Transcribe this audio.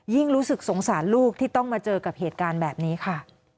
รู้สึกสงสารลูกที่ต้องมาเจอกับเหตุการณ์แบบนี้ค่ะ